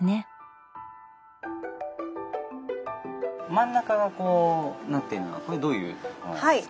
真ん中はこうなってるのはこれどういうものなんですか？